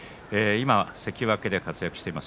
関脇で活躍しています